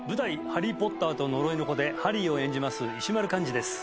「ハリー・ポッターと呪いの子」でハリーを演じます石丸幹二です